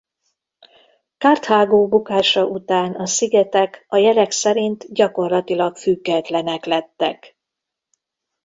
Karthágó bukása után a szigetek a jelek szerint gyakorlatilag függetlenek lettek.